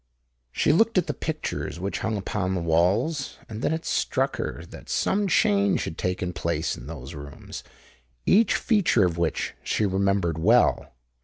She looked at the pictures which hung upon the walls; and then it struck her that some change had taken place in those rooms, each feature of which she remembered well.